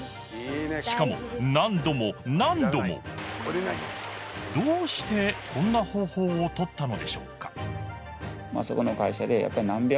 しかも何度も何度もどうしてこんな方法をとったのでしょうか？